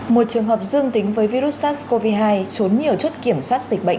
một trường hợp dương tính với virus sars cov hai trốn nhiều chốt kiểm soát dịch bệnh